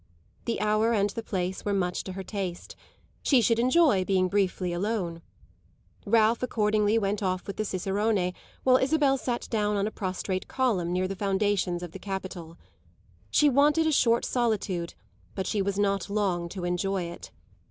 The hour and the place were much to her taste she should enjoy being briefly alone. Ralph accordingly went off with the cicerone while Isabel sat down on a prostrate column near the foundations of the Capitol. She wanted a short solitude, but she was not long to enjoy it.